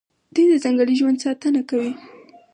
دوی د ځنګلي ژوند ساتنه کوي.